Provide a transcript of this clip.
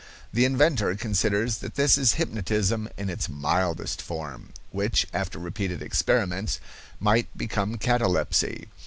The inventor considers that this is hypnotism in its mildest form, which, after repeated experiments, might become catalepsy.